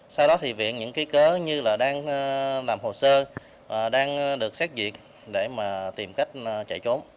sau đó thì viện những ký cớ như là đang làm hồ sơ đang được xét duyệt để mà tìm cách chạy trốn